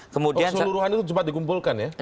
kemudian seluruhan itu cepat dikumpulkan ya